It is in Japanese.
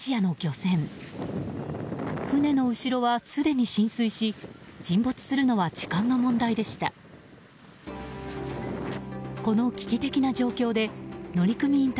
船の後ろは、すでに浸水し沈没するのは時間の問題でした。